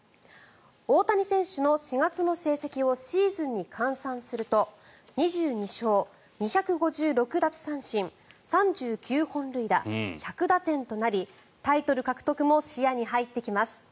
大谷選手の４月の成績をシーズンに換算すると２２勝、２５６奪三振３９本塁打、１００打点となりタイトル獲得も視野に入ってきます。